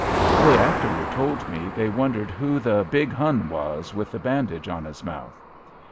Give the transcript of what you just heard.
They afterward told me they wondered who the "big Hun" was with the bandage on his mouth.